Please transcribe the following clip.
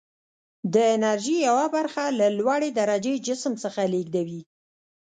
د انرژي یوه برخه له لوړې درجې جسم څخه لیږدوي.